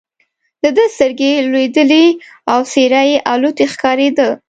د ده سترګې لوېدلې او څېره یې الوتې ښکارېده.